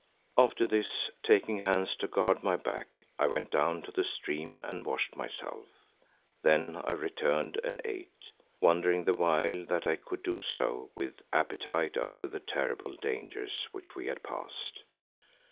After this, taking Hans to guard my back, I went down to the stream and washed myself. Then I returned and ate, wondering the while that I could do so with appetite after the terrible dangers which we had passed.